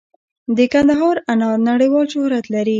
د کندهار انار نړیوال شهرت لري.